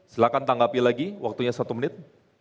silahkan tanggapi lagi waktunya satu menit